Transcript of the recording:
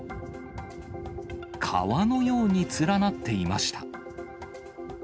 川のように連なっていました。